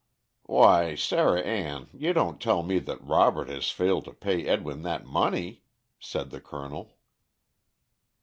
"Why, Sarah Ann, you don't tell me that Robert has failed to pay Edwin that money!" said the Colonel.